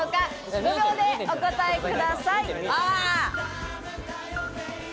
５秒でお答えください。